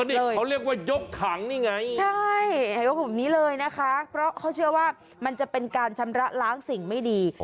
นี่เขาเรียกว่ายกถังนี่ไงใช่ยกกลุ่มนี้เลยนะคะเพราะเขาเชื่อว่ามันจะเป็นการชำระล้างสิ่งไม่ดี